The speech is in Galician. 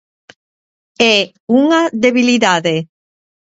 É unha debilidade.